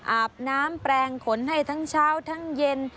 อาบน้ำแปลงขนให้ทั้งเช้าทั้งเย็น